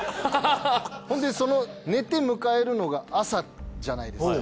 ほんで寝て迎えるのが朝じゃないですか。